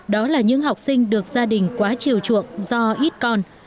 đó là những học sinh được gia đình quá chiều chuộng do ít con